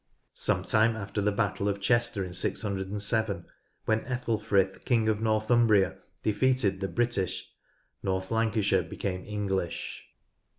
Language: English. Some time after the battle of Chester in 607, when Ethelfrith, King of Northumbria, defeated the British, North Lancashire became English.